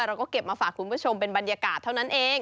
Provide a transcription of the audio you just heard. เราก็เก็บมาฝากคุณผู้ชมเป็นบรรยากาศเท่านั้นเอง